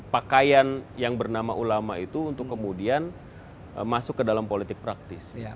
pakaian yang bernama ulama itu untuk kemudian masuk ke dalam politik praktis